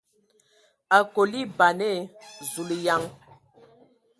Akol a eban e ! Zulǝyaŋ!